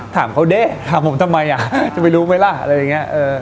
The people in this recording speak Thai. ถามเขาเด้ถามผมทำไมจะไปรู้มั้ยครับ